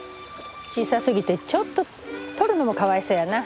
小さすぎてちょっととるのもかわいそうやな。